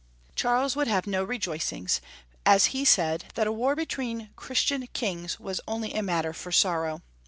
Charles would have no rejoicings, as he said that a war between Christian kings was only a matter for sorrow.